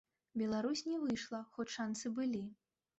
Беларусь не выйшла, хоць шанцы былі.